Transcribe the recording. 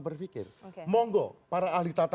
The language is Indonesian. berpikir monggo para ahli tata